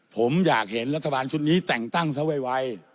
ผมอยากเห็นรัฐบาลชุดนี้แต่งตั้งซะไว